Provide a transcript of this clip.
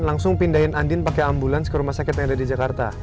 langsung pindahin andin pakai ambulans ke rumah sakit yang ada di jakarta